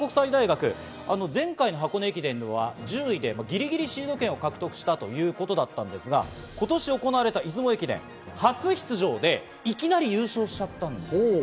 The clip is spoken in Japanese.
前回の箱根駅伝では１０位でぎりぎりシード権を獲得したんですが、今年行われた出雲駅伝初出場でいきなり優勝しちゃったんです。